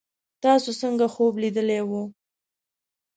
تاسو څنګه خوب لیدلی وو